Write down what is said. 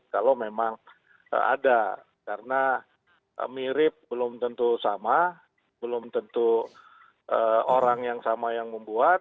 kalau memang ada karena mirip belum tentu sama belum tentu orang yang sama yang membuat